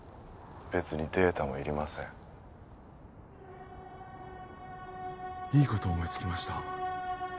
別にデータもいりませんいいこと思いつきました